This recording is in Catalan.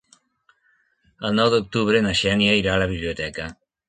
El nou d'octubre na Xènia irà a la biblioteca.